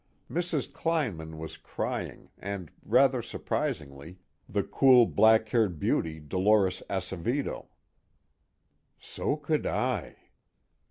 Mrs. Kleinman was crying and, rather surprisingly, the cool black haired beauty Dolores Acevedo. _So could I.